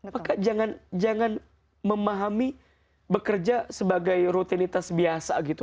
maka jangan memahami bekerja sebagai rutinitas biasa gitu